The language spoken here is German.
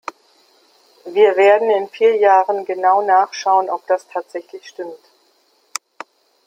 Wir werden in vier Jahren genau nachschauen, ob das tatsächlich stimmt.